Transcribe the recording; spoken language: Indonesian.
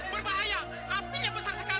berbahaya apinya besar sekali